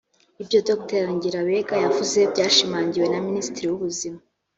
Ibyo Dr Ngirabega yavuze byashimangiwe na Minisitiri w’Ubuzima